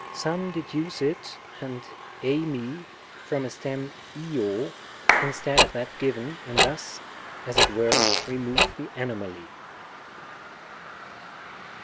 Some deduce it and ei /Ac from a stem {no) instead of that given, and thus, as it were, remove the anomaly.